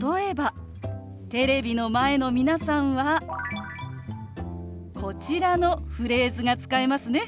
例えばテレビの前の皆さんはこちらのフレーズが使えますね。